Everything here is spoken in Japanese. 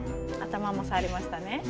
頭もさわりましたね。